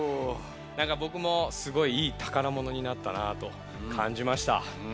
なんかぼくもすごいいい宝物になったなぁと感じました。